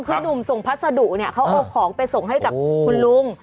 คือหนุ่มส่งพัสดุเนี่ยเขาเอาของไปส่งให้กับคุณลุง